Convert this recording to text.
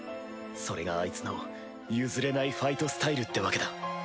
それがアイツの譲れないファイトスタイルってわけだ。